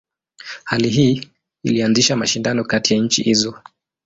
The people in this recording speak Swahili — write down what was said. Hali hii ilianzisha mashindano kati ya nchi hizo.